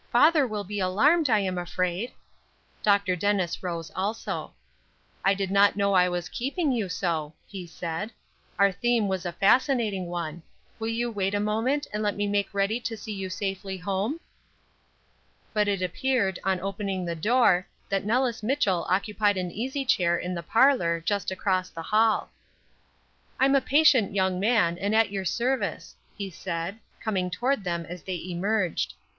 "Father will be alarmed, I am afraid." Dr. Dennis rose also. "I did not know I was keeping you so," he said. "Our theme was a fascinating one. Will you wait a moment, and let me make ready to see you safely home?" But it appeared, on opening the door, that Nellis Mitchell occupied an easy chair in the parlor, just across the hall. "I'm a patient young man, and at your service," he said, coming toward them as they emerged.